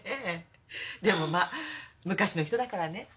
でもまあ昔の人だからね。